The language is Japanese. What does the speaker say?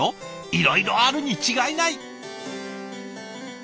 いろいろあるに違いない。